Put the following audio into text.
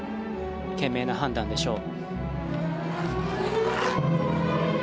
賢明な判断でしょう。